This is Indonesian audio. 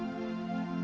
aku sudah berjalan